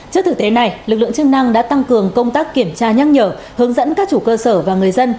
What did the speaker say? trước thực tế này lực lượng chức năng đã tăng cường công tác kiểm tra nhắc nhở hướng dẫn các chủ cơ sở và người dân